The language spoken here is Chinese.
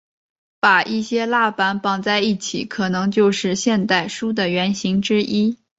把一些蜡板绑在一起可能就是现代书的原型之一。